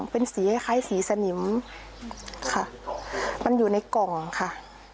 เป็นสีคล้ายสีสนิมค่ะมันอยู่ในกล่องค่ะ